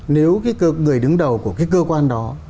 nếu cái người đứng đầu của cái cơ quan đó